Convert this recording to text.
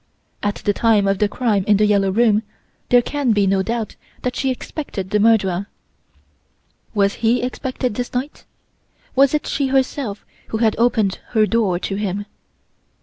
At the time of the crime in "The Yellow Room", there can be no doubt that she expected the murderer. Was he expected this night? Was it she herself who had opened her door to him?